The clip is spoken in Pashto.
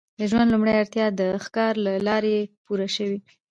د ژوند لومړنۍ اړتیاوې د ښکار له لارې پوره شوې.